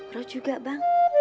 bro juga bang